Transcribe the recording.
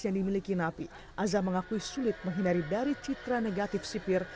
yang dimiliki napi aza mengakui sulit menghindari dari citra negatif sipir